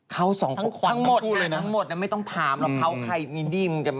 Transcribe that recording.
เขนั้น